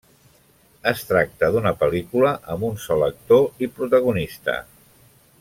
Es tracta d'una pel·lícula amb un sol actor i protagonista.